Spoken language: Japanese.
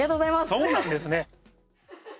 そうなんですね。